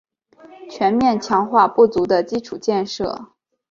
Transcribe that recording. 全面强化不足的基础建设